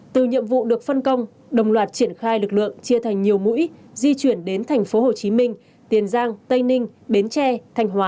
từ nhiệm vụ được phân công đồng loạt triển khai lực lượng chia thành nhiều mũi di chuyển đến thành phố hồ chí minh tiền giang tây ninh bến tre thành hóa